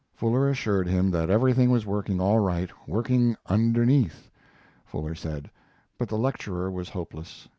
Fuller assured him that everything was working all right "working underneath," Fuller said but the lecturer was hopeless.